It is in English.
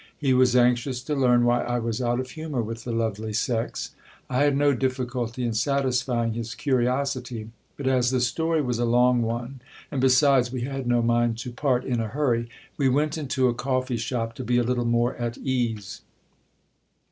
He was anxious to learn why I was out of humour with the lovely sex. I had no difficulty in satisfying his curiosity ; but as the story was a long one, and besides we had no mind to part in a hurry, we went into a coffee house to be a httle more at ease.